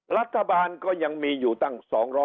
รัฐบาลก็ยังมีอยู่ตั้ง๒๐๐